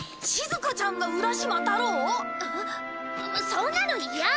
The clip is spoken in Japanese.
そんなの嫌！